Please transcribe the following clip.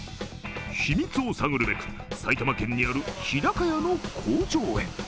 秘密を探るべく埼玉県にある日高屋の工場へ。